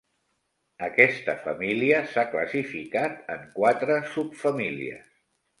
Aquesta família s'ha classificat en quatre subfamílies.